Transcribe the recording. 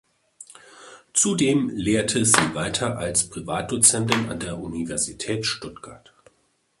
Zudem lehrte sie weiter als Privatdozentin an der Universität Stuttgart.